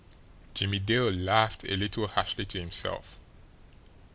Jimmie Dale laughed a little harshly to himself.